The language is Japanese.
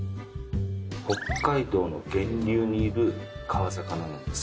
北海道の源流にいる川魚なんです。